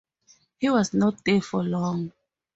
He was not there for long.